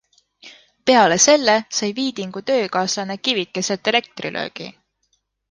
Peale selle sai Viidingu töökaaslane kivikeselt elektrilöögi.